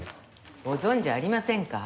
ご存じありませんか？